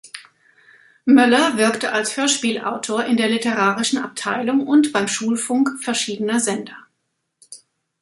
Möller wirkte als Hörspielautor in der literarischen Abteilung und beim Schulfunk verschiedener Sender.